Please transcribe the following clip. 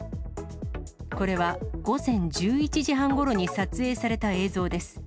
これは午前１１時半ごろに撮影された映像です。